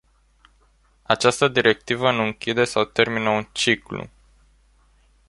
Această directivă nu închide sau termină un ciclu.